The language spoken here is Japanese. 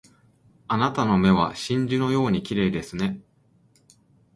あなたの目は真珠のように綺麗ですね